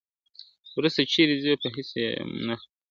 وروسته چیري ځي په هیڅ نه یم خبره ..